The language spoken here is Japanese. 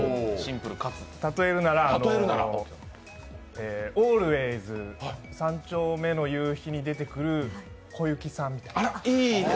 例えるなら「オールウェイズ三丁目の夕日」に出てくる小雪さんみたいな。